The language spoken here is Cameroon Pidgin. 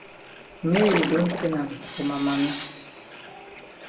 Mary don send am for ma mami.